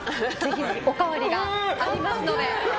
おかわりがありますので。